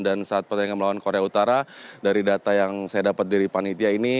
dan saat pertandingan melawan korea utara dari data yang saya dapat dari panitia ini